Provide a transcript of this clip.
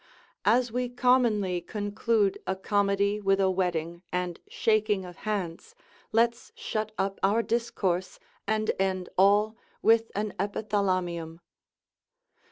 As we commonly conclude a comedy with a wedding, and shaking of hands, let's shut up our discourse, and end all with an Epithalamium.